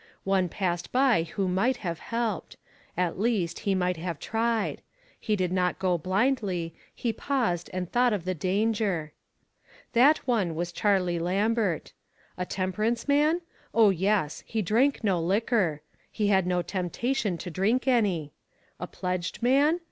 One passed by who might have helped. At least, he might have tried. He did not go blindly; he paused and thought of the danger. That one was Charlie Lambert. A tem perance man? Oh, yes. He drank no liquor. He had no temptation to drink any. A pledged man?